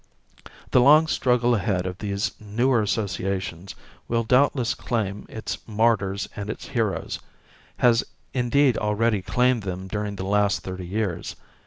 The long struggle ahead of these newer associations will doubtless claim its martyrs and its heroes, has indeed already claimed them during the last thirty years.